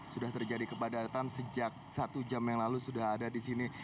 sudah terjadi kepadatan sejak satu jam yang lalu sudah ada di sini